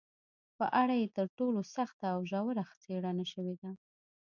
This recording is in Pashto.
په اړه یې تر ټولو سخته او ژوره څېړنه شوې ده